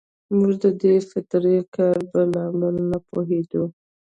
موږ د دې فطري کار په لامل نه پوهېدو.